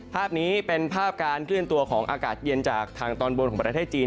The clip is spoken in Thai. ภาพนี้เป็นภาพการเคลื่อนตัวของอากาศเย็นจากทางตอนบนของประเทศจีน